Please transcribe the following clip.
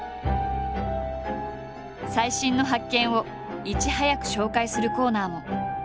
最新の発見をいち早く紹介するコーナーも。